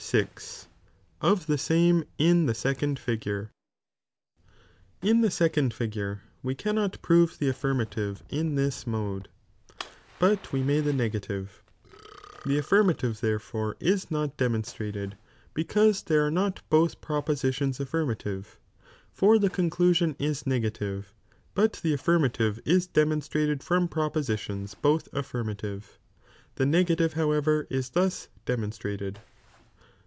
YI.— Of these n the second Fh/tif In the second figure we cannot prove the affirm ative in this mode, hut we may the negative ; the affirmative therefore is not demonstrated, because there are not both propositions affirmative, for the conclusion is negative, but the affirmative is demonstrated from propositions both affirmative, 5 however is thus demonstrated.